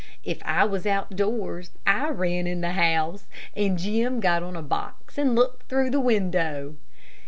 If I was outdoors I ran in the house, and Jim got on a box and looked through the window.